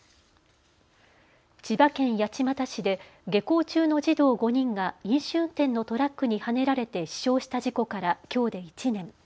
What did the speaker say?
千葉県八街市で下校中の児童５人が飲酒運転のトラックにはねられて死傷した事故からきょうで１年。